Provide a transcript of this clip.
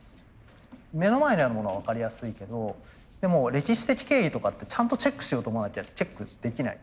目の前にあるものは分かりやすいけどでも歴史的経緯とかってちゃんとチェックしようと思わなきゃチェックできない。